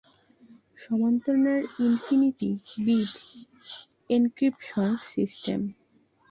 সমান্তরাল infinity bit encryption system.